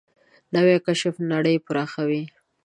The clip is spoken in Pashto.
نوې کشف نړۍ پراخوي